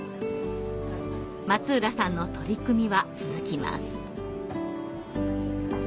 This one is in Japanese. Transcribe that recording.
松浦さんの取り組みは続きます。